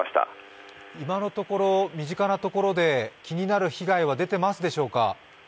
今のところ、身近なところで気になる被害は出てますでしょうか？